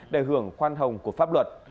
để hưởng khoan hồng của pháp luật